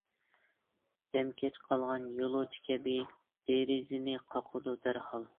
دەم كەچ قالغان يولۇچى كەبى دېرىزىنى قاقىدۇ دەرھال.